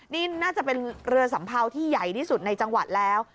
นี่น่าจะเป็นเรือสัมเภาที่ใหญ่ที่สุดในจังหวัดแล้ว